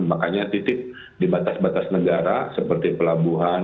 makanya titip di batas batas negara seperti pelabuhan